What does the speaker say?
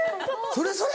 「それそれ」？